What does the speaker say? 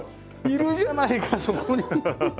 いるじゃないかそこに！